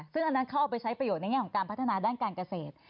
ซึ่งอันนั้นเขาเอาไปใช้ประโยชนในแง่ของการพัฒนาด้านการเกษตร